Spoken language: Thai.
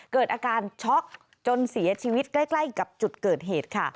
เกิดอาการช็อกจนเสียชีวิตใกล้กับจุดเกิดเหตุค่ะ